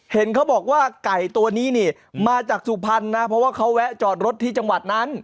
เห็นเขาบอกว่าไก่ตัวนี้นี่มาจากสุพรรณนะเพราะว่าเขาแวะจอดรถที่จังหวัดนั้น